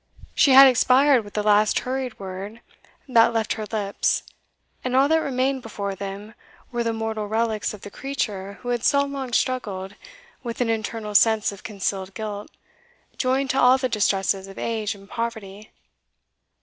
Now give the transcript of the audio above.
She had expired with the last hurried word that left her lips; and all that remained before them were the mortal relics of the creature who had so long struggled with an internal sense of concealed guilt, joined to all the distresses of age and poverty.